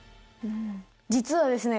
実はですね